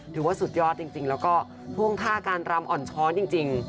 ถือว่าสุดยอดจริงแล้วก็ท่วงท่าการรำอ่อนช้อนจริง